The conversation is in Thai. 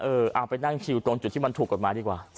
เอาไปนั่งชิวตรงจุดที่มันถูกกฎหมายดีกว่า